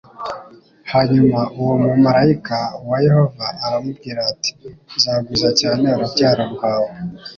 Hanyuma uwo mumarayika wa Yehova aramubwira ati nzagwiza cyane urubyaro rwawe